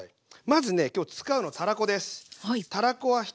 まずね今日使うのはたらこです。